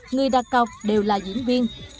người đặt cọc đều là diễn viên